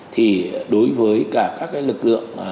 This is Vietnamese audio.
thì đối với cả các cái lực lượng